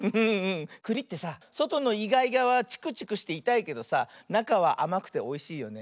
くりってさそとのイガイガはチクチクしていたいけどさなかはあまくておいしいよね。